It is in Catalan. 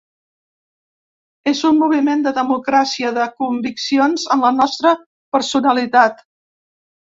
És un moviment de democràcia, de conviccions en la nostra personalitat.